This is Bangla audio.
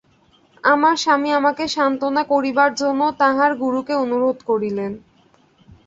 আমার স্বামী আমাকে সান্ত্বনা করিবার জন্য তাঁহার গুরুকে অনুরোধ করিলেন।